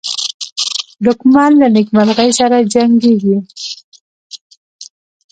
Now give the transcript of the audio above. دښمن له نېکمرغۍ سره جنګیږي